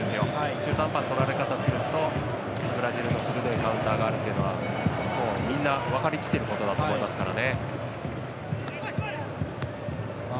中途半端な取られ方をするとブラジルの鋭いカウンターがあるってことはみんな分かりきっていることだと思いますからね。